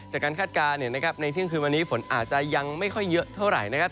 คาดการณ์ในเที่ยงคืนวันนี้ฝนอาจจะยังไม่ค่อยเยอะเท่าไหร่นะครับ